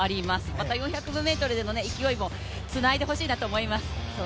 また４００ｍの勢いもつないでほしいなと思います。